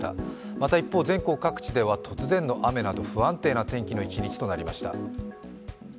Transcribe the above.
また一方、全国各地では突然の雨など不安定な天気の一日となりました。